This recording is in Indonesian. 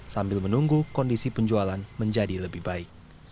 sambil menunggu kondisi penjualan menjadi lebih baik